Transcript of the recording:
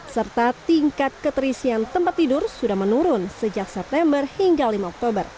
serta tingkat keterisian tempat tidur sudah menurun sejak september hingga lima oktober